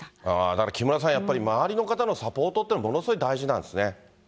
だから木村さん、やっぱり周りの方のサポートというのはものすごい大事なんですね。